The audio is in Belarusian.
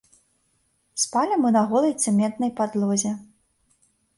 Спалі мы на голай цэментнай падлозе.